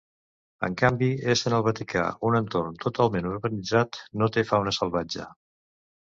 En canvi, essent el Vaticà un entorn totalment urbanitzat, no té fauna salvatge.